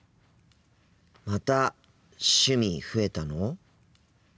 また趣味増えたの！？